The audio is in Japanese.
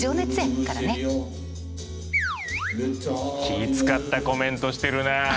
気ぃ遣ったコメントしてるな。